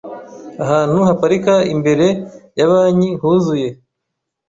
Ahantu haparika imbere ya banki huzuye .